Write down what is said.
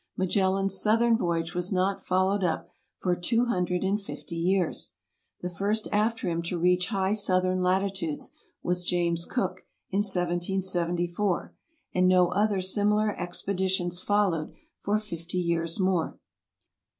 Magellan's southern voyage was not followed up for two hundred and fifty years. The first after him to reach high southern latitudes was James Cook, in 1774, and no other similar expeditions followed for fifty years more.